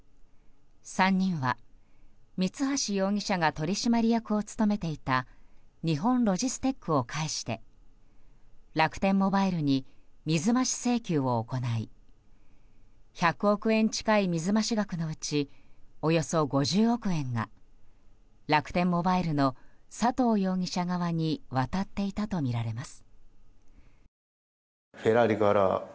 ３人は、三橋容疑者が取締役を務めていた日本ロジステックを介して楽天モバイルに水増し請求を行い１００億円近い水増し額のうちおよそ５０億円が楽天モバイルの佐藤容疑者側に渡っていたとみられます。